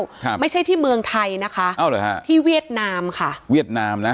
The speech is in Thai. ครับไม่ใช่ที่เมืองไทยนะคะอ้าวเหรอฮะที่เวียดนามค่ะเวียดนามนะ